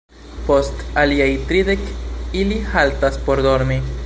Post aliaj tridek ili haltas por dormi.